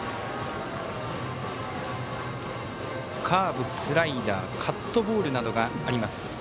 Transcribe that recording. カーブ、スライダーカットボールなどがあります